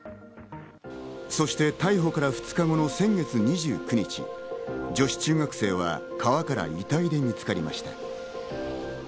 そして逮捕から２日後の先月２９日、女子中学生は川から遺体で見つかりました。